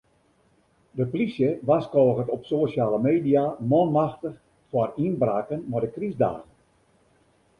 De plysje warskôget op sosjale media manmachtich foar ynbraken mei de krystdagen.